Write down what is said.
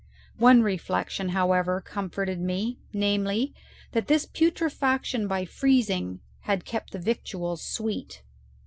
One reflection, however, comforted me, namely, that this petrifaction by freezing had kept the victuals sweet.